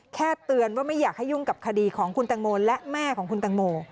เตือนว่าไม่อยากให้ยุ่งกับคดีของคุณตังโมและแม่ของคุณตังโม